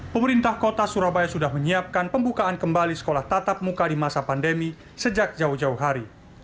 pemerintah kota surabaya sudah menyiapkan pembukaan kembali sekolah tatap muka di masa pandemi sejak jauh jauh hari